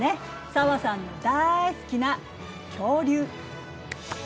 紗和さんのだい好きな恐竜。